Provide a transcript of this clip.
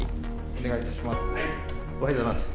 お願いいたします。